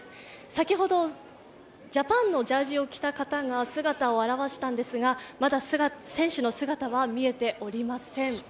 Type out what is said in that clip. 先ほどジャパンのジャージを着た方が姿を現したんですが、まだ選手の姿は見えておりません。